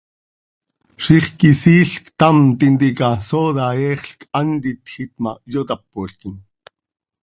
Zixquisiil ctam tintica sooda eexl quih hant itjiit ma, yotápolquim.